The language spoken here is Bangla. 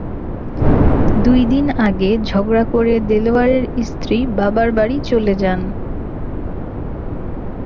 দুই দিন আগে ঝগড়া করে দেলোয়ারের স্ত্রী বাবার বাড়ি চলে যান।